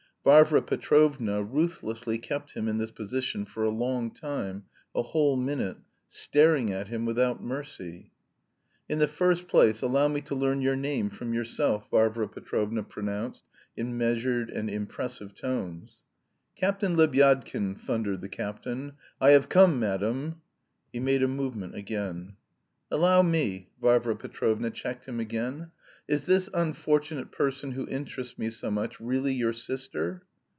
Varvara Petrovna ruthlessly kept him in this position for a long time, a whole minute, staring at him without mercy. "In the first place allow me to learn your name from yourself," Varvara Petrovna pronounced in measured and impressive tones. "Captain Lebyadkin," thundered the captain. "I have come, madam..." He made a movement again. "Allow me!" Varvara Petrovna checked him again. "Is this unfortunate person who interests me so much really your sister?"